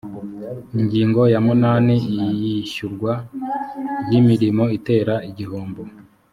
ingingo ya munani iyishyurwa ry’imirimo itera igihombo